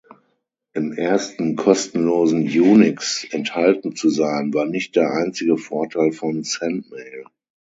Im ersten kostenlosen Unix enthalten zu sein war nicht der einzige Vorteil von Sendmail.